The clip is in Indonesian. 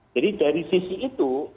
jadi dari sisi itu